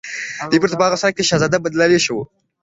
دی بيرته په هغه صورت کې په شهزاده بدليدای شو